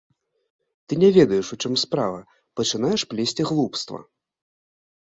Ты не ведаеш, у чым справа, пачынаеш плесці глупства.